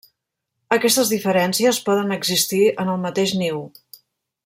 Aquestes diferències poden existir en el mateix niu.